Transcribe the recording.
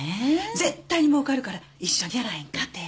絶対にもうかるから一緒にやらへんかて。